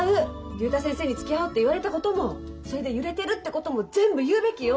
竜太先生につきあおうって言われたこともそれで揺れてるってことも全部言うべきよ。